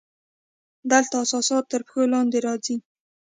دلته اساسات تر پوښتنې لاندې راځي.